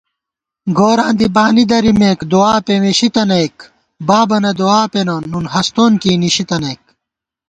گوراں دی بانی درِمېک دُعاپېمېشی تنَئیک * بابَنہ دُعا پېنہ نُن ہستون کېئی نِشِتَنَئیک